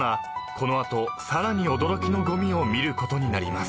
この後さらに驚きのごみを見ることになります］